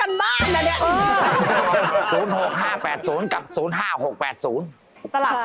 เออแม่นแล้วนี่สวย